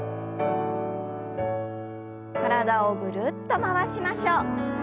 体をぐるっと回しましょう。